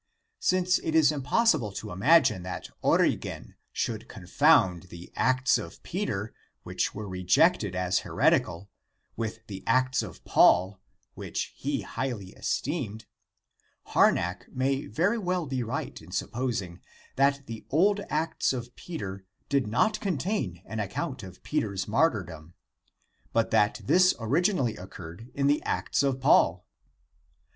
Since it is impossible to imagine that Origen should confound the Acts of Peter which were re jected as heretical with the Acts of Paul which he highly esteemed, Harnack may very well be right in supposing that the old Acts of Peter did not contain an account of Peter's martyrdom, but that this originally occurred in the Acts of Paul.